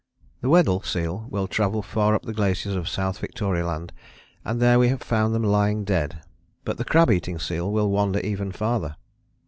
The Weddell seal will travel far up the glaciers of South Victoria Land, and there we have found them lying dead. But the crab eating seal will wander even farther.